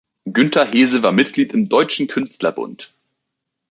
Günter Haese war Mitglied im Deutschen Künstlerbund.